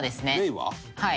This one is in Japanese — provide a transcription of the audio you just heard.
「はい」